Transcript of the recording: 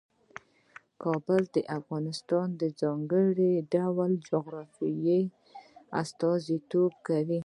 کابل د افغانستان د ځانګړي ډول جغرافیه استازیتوب کوي.